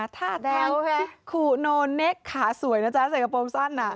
แบบขาสวยนะจ๊ะเสียงกระโปรงสั้นน่ะ